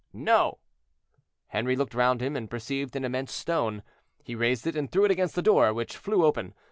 "—"No." Henri looked round him, and perceived an immense stone. He raised it and threw it against the door, which flew open.